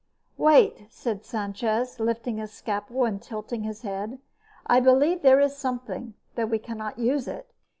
"Wait," said Sanchez, lifting the scalpel and tilting his head. "I believe there is something, though we cannot use it.